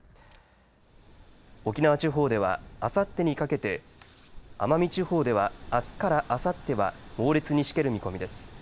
沖縄地方ではあさってにかけて、奄美地方ではあすからあさっては猛烈にしける見込みです。